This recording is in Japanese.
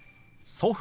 「祖父」。